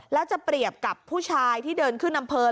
แล้วจะเปรียบกับผู้ชายที่เดินขึ้นอำเภอ